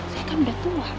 saya kan udah tua